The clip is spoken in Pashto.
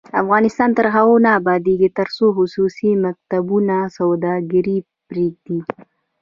افغانستان تر هغو نه ابادیږي، ترڅو خصوصي مکتبونه سوداګري پریږدي.